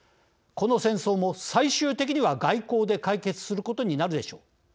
この戦争も最終的には外交で解決することになるでしょう。